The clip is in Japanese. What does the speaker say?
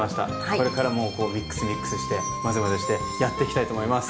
これからもミックスミックスしてまぜまぜしてやっていきたいと思います。